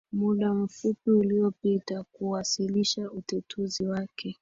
muda mfupi ulipita kuwasilisha utetezi wake